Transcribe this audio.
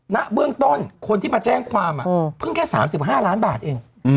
ณเบื้องต้นคนที่มาแจ้งความเพิ่งแค่๓๕ล้านบาทเอง